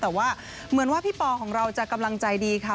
แต่ว่าเหมือนว่าพี่ปอของเราจะกำลังใจดีค่ะ